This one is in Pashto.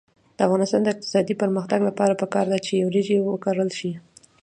د افغانستان د اقتصادي پرمختګ لپاره پکار ده چې وریجې وکرل شي.